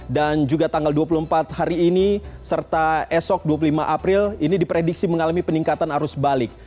dan juga tanggal dua puluh empat hari ini serta esok dua puluh lima april ini diprediksi mengalami peningkatan arus balik